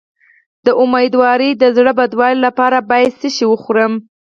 د امیدوارۍ د زړه بدوالي لپاره باید څه شی وخورم؟